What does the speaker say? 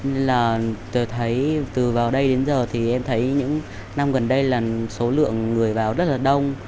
nên là tôi thấy từ vào đây đến giờ thì em thấy những năm gần đây là số lượng người vào rất là đông